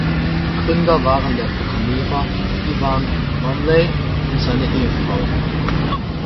Gründer waren der Programmierer Ivan Manley und seine Ehefrau.